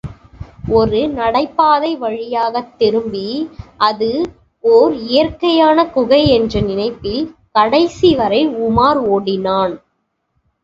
ஒரு நடைபாதை வழியாகத் திரும்பி அது ஒர் இயற்கையான குகை என்ற நினைப்பில் கடைசி வரை உமார் ஓடினான்.